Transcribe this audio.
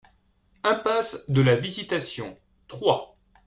Impasse de la Visitation, Troyes